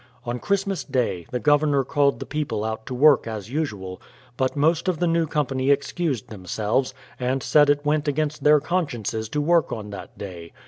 On Christmas Day, the Governor called the people out to work as usual ; but most of the new company excused themselves, and said it went against their consciences to work on that day.